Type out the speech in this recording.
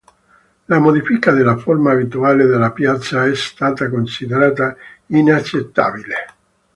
La modifica della forma abituale della piazza è stata considerata inaccettabile.